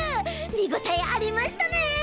見ごたえありましたね。